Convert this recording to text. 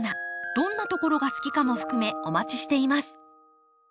どんなところが好きかも含めお待ちしています。